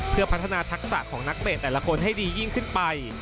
เพื่อพัฒนาทักษะของนักเตะแต่ละคนให้ดียิ่งขึ้นไป